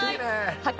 発見！